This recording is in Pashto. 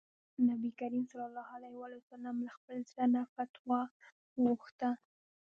نبي کريم ص له خپل زړه نه فتوا وغوښته.